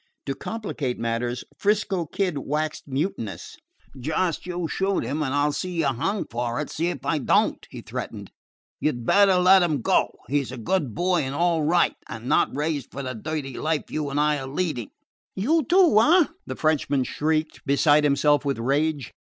To complicate matters, 'Frisco Kid waxed mutinous. "Just you shoot him, and I 'll see you hung for it see if I don't," he threatened. "You 'd better let him go. He 's a good boy and all right, and not raised for the dirty life you and I are leading." "You too, eh!" the Frenchman shrieked, beside himself with rage.